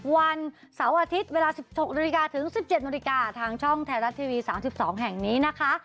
วันเสาร์อาทิตย์เวลา๑๖นาฬิกาถึง๑๗นาฬิกาทางช่องไทยรัฐทีวี๓๒แห่งนี้นะคะ